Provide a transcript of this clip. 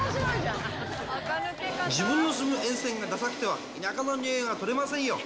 自分の住む沿線がださくては、田舎のにおいがとれませんよ。